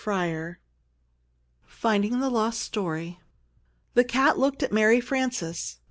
VII FINDING THE LOST STORY THE cat looked at Mary Frances.